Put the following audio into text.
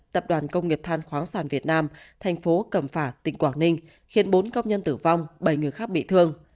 tập đoàn công nghiệp than khoáng sản việt nam thành phố cẩm phả tỉnh quảng ninh khiến bốn công nhân tử vong bảy người khác bị thương